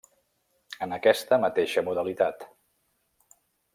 En aquesta mateixa modalitat.